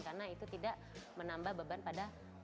karena itu tidak menambah beban pada lutut olahraga berenang